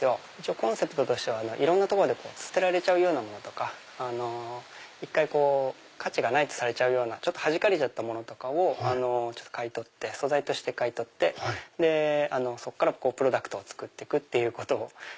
コンセプトとしてはいろんなとこで捨てられるもの価値がないとされちゃうようなはじかれちゃったものとかを素材として買い取ってそっからプロダクトを作って行くっていうことを。